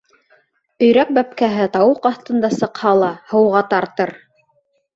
Өйрәк бәпкәһе тауыҡ аҫтында сыҡһа ла, һыуға тартыр.